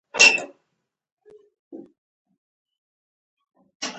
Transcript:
د مينې نورې ملګرې هم د هغې ليدلو ته تلې راتلې